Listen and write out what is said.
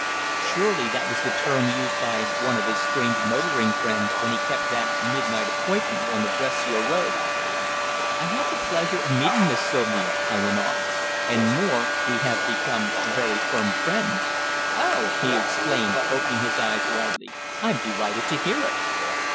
Surely that was the term used by one of his strange motoring friends when he kept that midnight appointment on the Brescia road. "I had the pleasure of meeting Miss Sylvia," I went on. "And more, we have become very firm friends." "Oh!" he exclaimed, opening his eyes widely. "I'm delighted to hear it."